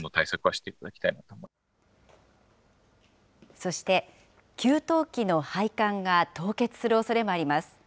そして、給湯器の配管が凍結するおそれもあります。